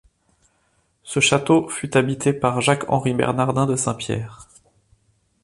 Ce château fut habité par Jacques-Henri Bernardin de Saint-Pierre.